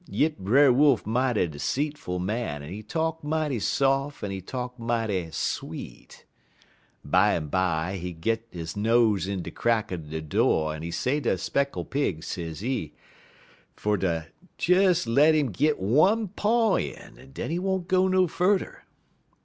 Yit Brer Wolf mighty 'seetful man, en he talk mighty saf' en he talk mighty sweet. Bimeby, he git he nose in de crack er de do' en he say ter Speckle Pig, sezee, fer ter des let 'im git one paw in, en den he won't go no furder.